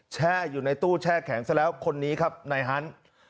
แช่อยู่ในตู้แช่แข็งซะแล้วคนนี้ครับนายฮันต์